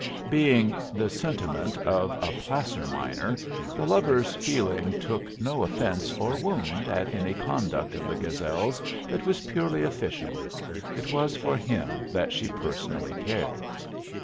Being the sentiment of a placer miner, the lover's feeling took no offence or wound at any conduct of the Gazelle's that was purely official; it was for him that she personally cared.